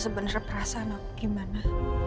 sebenernya perasaan aku gimana